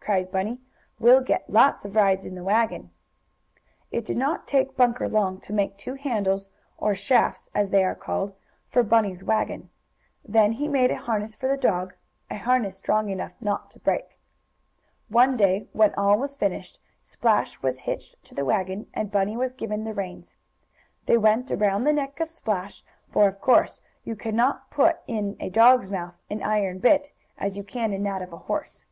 cried Bunny. "We'll get lots of rides in the wagon." It did not take Bunker long to make two handles, or "shafts," as they are called, for Bunny's wagon. Then he made a harness for the dog a harness strong enough not to break. One day, when all was finished, Splash was hitched to the wagon, and Bunny was given the reins. They went around the neck of Splash, for of course you can not put in a dog's mouth an iron bit, as you can in that of a horse.